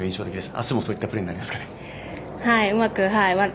明日もそういったプレーになりますかね。